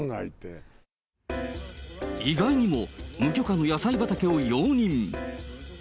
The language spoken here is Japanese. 意外にも、無許可の野菜畑を容認。